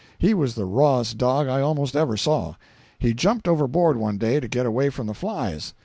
He was the rawest dog I almost ever saw. He jumped overboard one day to get away from the flies.